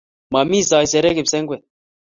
Mami saisere kipsengwet